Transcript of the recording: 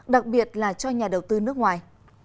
đặc biệt là cho nhà đầu tư nước ngoài